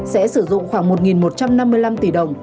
sẽ sử dụng khoảng một một trăm năm mươi năm tỷ đồng